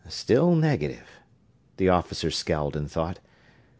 "Still negative." The officer scowled in thought.